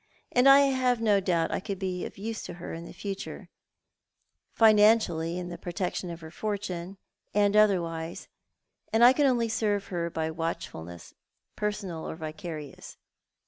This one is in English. "I have no doubt I can be of use to her in the future — financially, in the pro tection of her fortune, and otherwise — and I can only serve her by watchfulness, personal or vicarious.